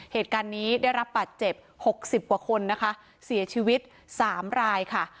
เหตุการณ์นี้ได้รับบาดเจ็บหกสิบกว่าคนนะคะเสียชีวิตสามรายค่ะ